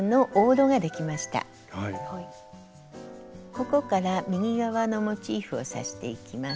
ここから右側のモチーフを刺していきます。